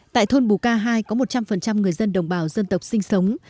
tại thôn bù ca hai có một trăm linh người dân đồng bào dân tộc sinh sống